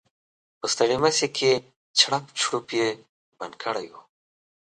په ستړيمشې کې چړپ چړوپ یې بند کړی و.